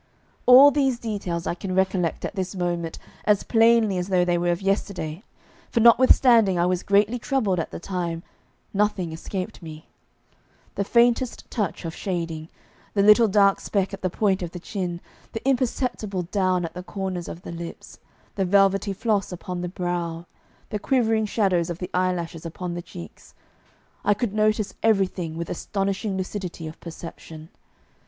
All these details I can recollect at this moment as plainly as though they were of yesterday, for notwithstanding I was greatly troubled at the time, nothing escaped me; the faintest touch of shading, the little dark speck at the point of the chin, the imperceptible down at the corners of the lips, the velvety floss upon the brow, the quivering shadows of the eyelashes upon the cheeks I could notice everything with astonishing lucidity of perception.